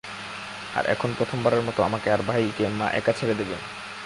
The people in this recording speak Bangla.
আর এখন, প্রথমবারের মতো, আমাকে আর ভাইকে মা একা ছেড়ে দেবে।